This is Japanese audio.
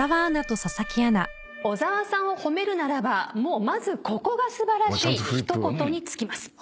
小澤さんを褒めるならばまずここが素晴らしいの一言に尽きます。